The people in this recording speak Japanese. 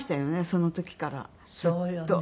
その時からずっと。